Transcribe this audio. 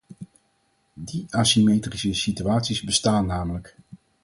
Die asymmetrische situaties bestaan namelijk!